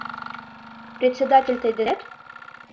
— Председатель тый денет?